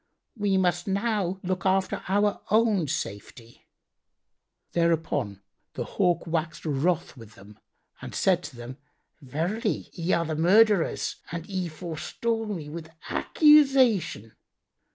We must now look after our own safety." Thereupon the Hawk waxed wroth with them and said to them, "Verily, ye are the murtherers, and ye forestall me with accusation!"